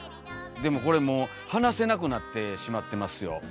でもこれもう話せなくなってしまってますよ。